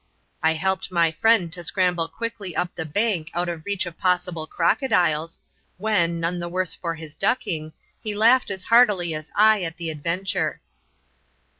I helped my friend to scramble quickly up the bank out of reach of possible crocodiles, when, none the worse for his ducking, he laughed as heartily as I at the adventure.